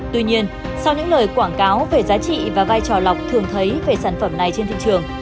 tuy nhiên sau những lời quảng cáo về giá trị và vai trò lọc thường thấy về sản phẩm này trên thị trường